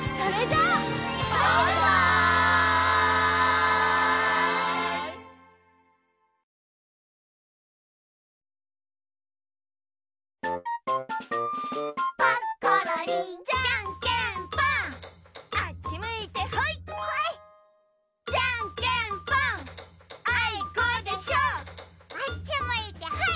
あっちむいてほい！